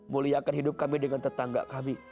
muliakan hidup kami dengan tetangga kami